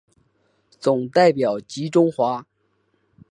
总代表吉钟华。